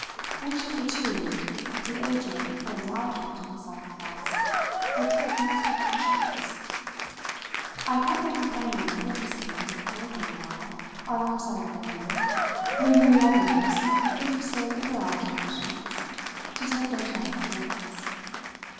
Which of the two the agent or the object of the sacrifice would take most precautions? I kept my companion purposely, for a little while, on our side of the room, leaving the others, interested in their observations, to take their time to join us.